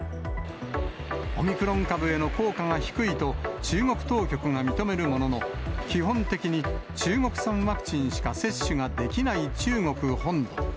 オミクロン株への効果が低いと、中国当局が認めるものの、基本的に中国産ワクチンしか接種ができない中国本土。